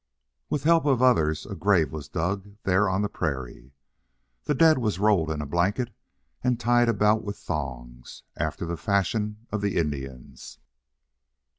With help of others a grave was dug there on the prairie. The dead was rolled in a blanket and tied about with thongs, after the fashion of the Indians.